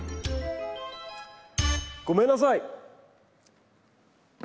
ごめんなさい！